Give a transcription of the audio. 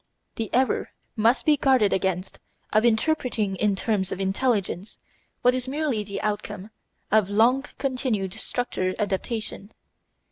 The error must be guarded against of interpreting in terms of intelligence what is merely the outcome of long continued structure adaptation.